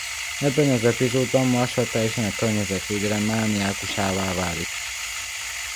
Ebben az epizódban Marshall teljesen a környezetvédelem mániákusává válik.